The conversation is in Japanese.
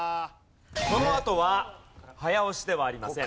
このあとは早押しではありません。